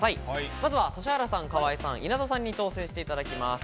まずは指原さん、河井さん、稲田さんに挑戦していただきます。